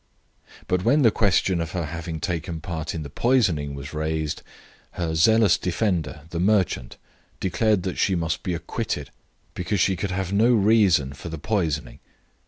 But when the question of her having taken part in the poisoning was raised, her zealous defender, the merchant, declared that she must be acquitted, because she could have no reason for the poisoning.